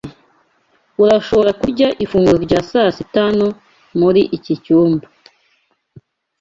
Urashobora kurya ifunguro rya sasita hano muri iki cyumba.